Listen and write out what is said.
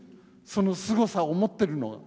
そのすごさを持ってるのは。